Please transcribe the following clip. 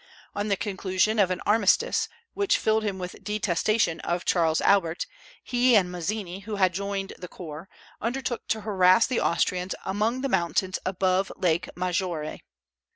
On the conclusion of an armistice, which filled him with detestation of Charles Albert, he and Mazzini, who had joined the corps, undertook to harass the Austrians among the mountains above Lake Maggiore.